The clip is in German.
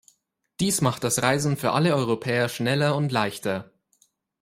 Dies macht das Reisen für alle Europäer schneller und leichter.